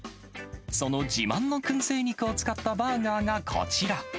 その自慢のくん製肉を使ったバーガーがこちら。